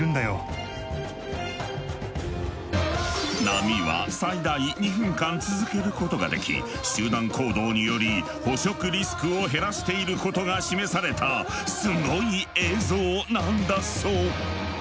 波は最大２分間続けることができ集団行動により捕食リスクを減らしていることが示されたスゴい映像なんだそう！